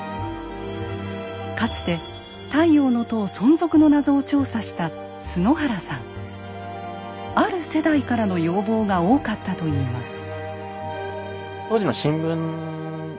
かつて「太陽の塔」存続の謎を調査したある世代からの要望が多かったといいます。